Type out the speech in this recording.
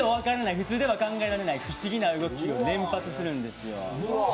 普通では考えられない不思議な動きを連発するんですよ。